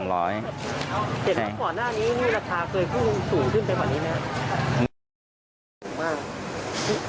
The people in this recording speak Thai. เห็นว่าขวานหน้านี้ราคาเคยสูงขึ้นไปกว่านี้ไหมครับ